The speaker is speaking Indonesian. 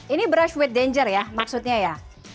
ini brush with danger ya maksudnya ya